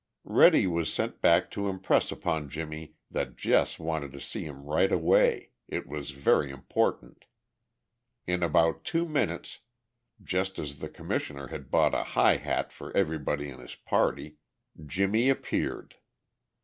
Reddy was sent back to impress upon Jimmie that Jess wanted to see him right away—it was very important. In about two minutes, just as the Commissioner had bought a "high hat" for everybody in his party, Jimmie appeared.